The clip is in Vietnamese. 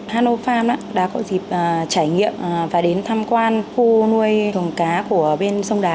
hano farm đã có dịp trải nghiệm và đến tham quan khu nuôi thùng cá của bên sông đà